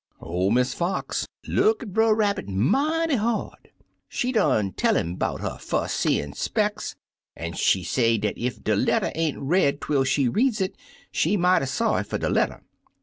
"Or Miss Fox look at Brer Rabbit mighty hard. She done tell 'im 'bout her fur seein' specks, an' she say dat ef de letter ain't read twel she reads it, she mighty sony fer de letter.